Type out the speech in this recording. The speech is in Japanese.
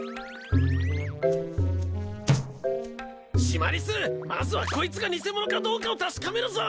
シマリスまずはこいつがニセモノかどうかを確かめるぞ。